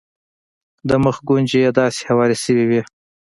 د مخ ګونځې یې داسې هوارې شوې وې.